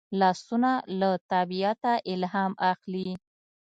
لاسونه له طبیعته الهام اخلي